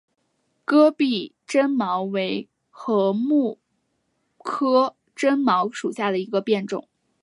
戈壁针茅为禾本科针茅属下的一个变种。